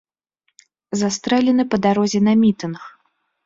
Застрэлены па дарозе на мітынг.